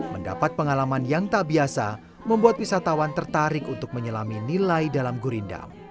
mendapat pengalaman yang tak biasa membuat wisatawan tertarik untuk menyelami nilai dalam gurindam